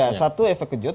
ya satu efek kejut